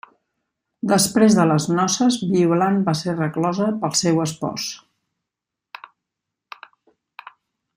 Després de les noces, Violant va ser reclosa pel seu espòs.